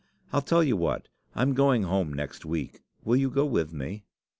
I'll tell you what; I'm going home next week will you go with me?